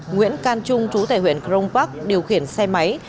nguyễn can trung trú tải huyện crong park điều khiển xe máy